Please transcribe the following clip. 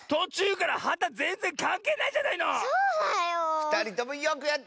ふたりともよくやった！